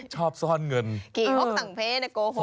ชอบซ่อนเงินกรีหกต่างเพแต่โกหกนะ